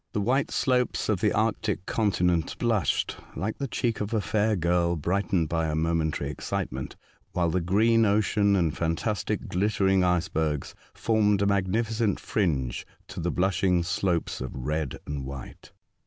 The white slopes of the Arctic continent blushed 140 A Voyage to Other Worlds, like the cheek of a fair girl, brightened by a momentary excitement, while the green ocean and fantastic glittering icebergs formed a mag nificent fringe to the blushing slopes of red and white.